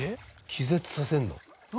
気絶させるの？